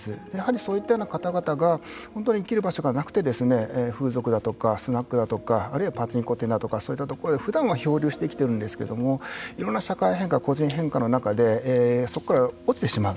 そういったような方々が本当に生きる場所がなくて風俗だとかスナックだとかあるいはパチンコ店だとかそういったところでふだんは漂流して生きているんですけれどもいろんな社会変化個人変化の中でそこから落ちてしまう。